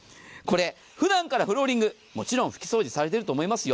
ふだんからフローリング、もちろん拭き掃除されていると思いますよ。